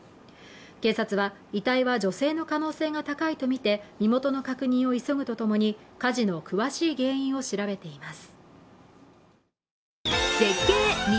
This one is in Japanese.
警察は遺体は女性の可能性が高いとみて身元の確認を急ぐとともに、火事の詳しい原因を調べています。